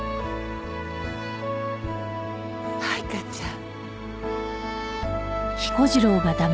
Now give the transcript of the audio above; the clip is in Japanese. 舞香ちゃん。